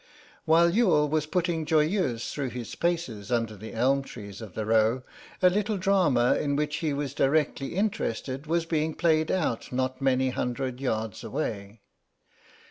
While Youghal was putting Joyeuse through his paces under the elm trees of the Row a little drama in which he was directly interested was being played out not many hundred yards away.